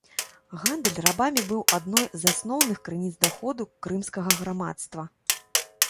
Гандаль рабамі быў адной з асноўных крыніц даходу крымскага грамадства.